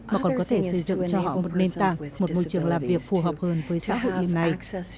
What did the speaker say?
mà còn có thể xây dựng cho họ một nền tảng một môi trường làm việc phù hợp hơn với xã hội hiện nay